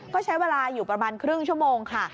ก็ใช้เวลาอยู่ประมาณครึ่งชั่วโมงค่ะ